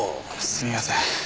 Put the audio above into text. すみません。